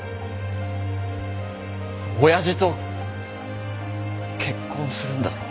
親父と結婚するんだろ？